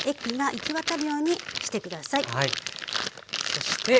そして。